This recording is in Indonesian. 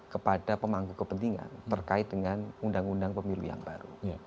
kepada pemangku kepentingan terkait dengan undang undang pemilu yang baru